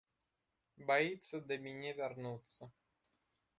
Баіцца да міне вярнуцца.